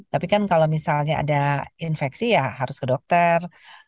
tapi kan kalau misalnya ada infeksi ya harus ke dokter